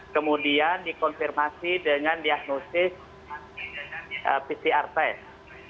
kemudian dikonfirmasi dengan diagnosis pcr test